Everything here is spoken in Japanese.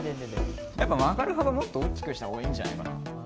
やっぱ曲がる幅もっと大きくした方がいいんじゃないかな？